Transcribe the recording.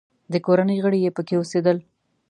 د کورنۍ غړي یې پکې اوسېدل.